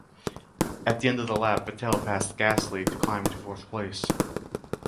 At the end of the lap Vettel passed Gasly to climb into fourth place.